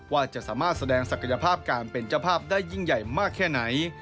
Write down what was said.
ว่าจะสามารถแสดงศักยภาพการเป็นเจ้าภาพได้ยิ่งใหญ่มากแค่ไหน